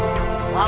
mak lampir kemana